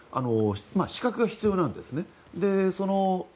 資格が必要なんですね。